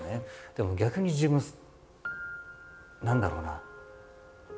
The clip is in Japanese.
でも逆に自分何だろうな。